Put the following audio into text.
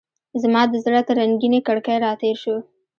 زما د زړه تر رنګینې کړکۍ راتیر شو